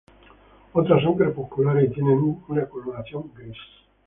Otras son crepusculares y tienen una coloración gris.